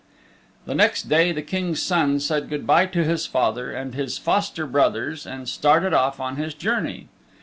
The next day the King's Son said good by to his father and his foster brothers and started off on his journey.